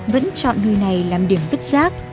vẫn chọn đuôi này làm điểm vất giác